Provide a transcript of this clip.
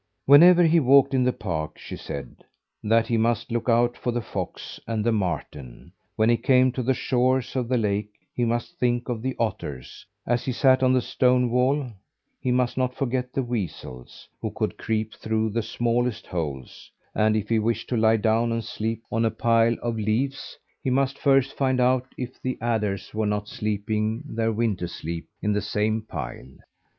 Whenever he walked in the park, she said, that he must look out for the fox and the marten; when he came to the shores of the lake, he must think of the otters; as he sat on the stone wall, he must not forget the weasels, who could creep through the smallest holes; and if he wished to lie down and sleep on a pile of leaves, he must first find out if the adders were not sleeping their winter sleep in the same pile.